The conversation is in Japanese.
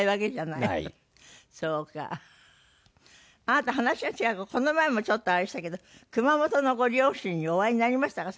あなた話は違うけどこの前もちょっとあれしたけど熊本のご両親にお会いになりましたか？